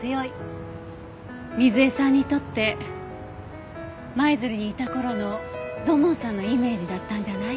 水絵さんにとって舞鶴にいた頃の土門さんのイメージだったんじゃない？